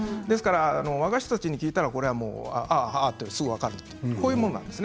若い人たちに聞いたらああ、とすぐ分かるこういうものです。